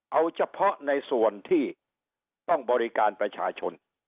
เอาเฉพาะในส่วนที่ต้องบริการประชาชน